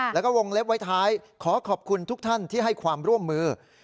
แล้วก็วงเล็บไว้ท้ายขอขอบคุณทุกท่านที่ให้ความร่วมมือ